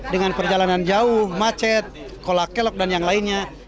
dengan perjalanan jauh macet kolakelok dan yang lainnya